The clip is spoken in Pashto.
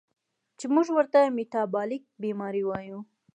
چې مونږ ورته ميټابالک بیمارۍ وايو